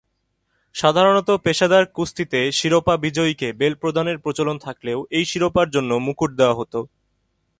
সাধারণত পেশাদার কুস্তিতে শিরোপা বিজয়ীকে বেল্ট প্রদানের প্রচলন থাকলেও, এই শিরোপার জন্য মুকুট দেয়া হতো।